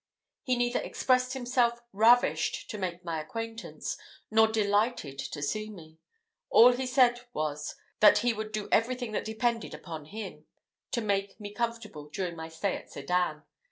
He neither expressed himself ravished to make my acquaintance, nor delighted to see me; all he said was, that he would do everything that depended upon him, to make me comfortable during my stay at Sedan.